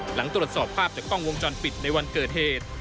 หลังตรวจสอบภาพจากกล้องวงจรปิดในวันเกิดเหตุ